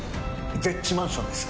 ＺＥＨマンションです。